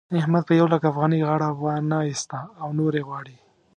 احمد په يو لک افغانۍ غاړه و نه اېسته او نورې غواړي.